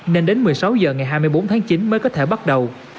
nên đến một mươi sáu h ngày hai mươi bốn tháng chín mới có thể bắt đầu